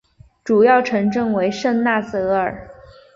主要城镇为圣纳泽尔。